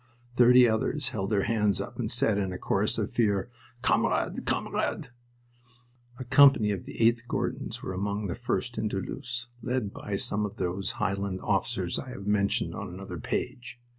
Thirty others held their hands up and said, in a chorus of fear, "Kamerad! Kamerad!" A company of the 8th Gordons were among the first into Loos, led by some of those Highland officers I have mentioned on another page.